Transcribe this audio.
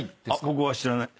僕は知らない。